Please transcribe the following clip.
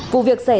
vụ việc xảy ra